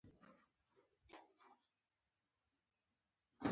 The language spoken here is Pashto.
امیر د انګلیسیانو لاس پوڅی باله.